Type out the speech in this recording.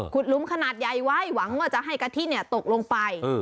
หลุมขนาดใหญ่ไว้หวังว่าจะให้กะทิตกลงไป